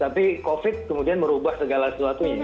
tapi covid kemudian merubah segala sesuatunya